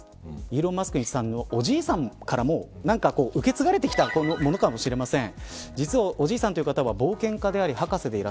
イーロン・マスクさんのおじいさんからも何か、受け継がれてきたものかもしれません。